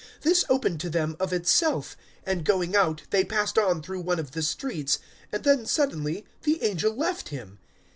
This opened to them of itself; and, going out, they passed on through one of the streets, and then suddenly the angel left him.